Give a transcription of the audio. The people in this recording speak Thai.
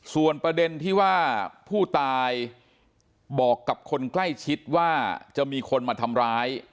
ส่วนประเด็นที่ว่าผู้ตายบอกกับคนใกล้ชิดว่าจะมีคนมาทำร้าย